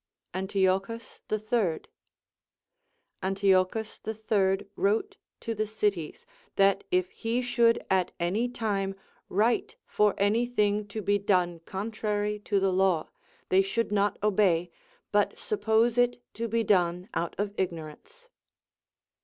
Antiochus the Third. Antiochus the Third Avrote to the cities, that if he should at any time ΛνπΙο for any thing to be done contrary to the law, they should not obey, but suppose it to be done out of ignorance.